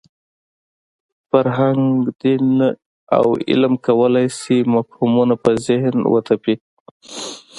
فرهنګ، دین او علم کولای شي مفهومونه په ذهن وتپي.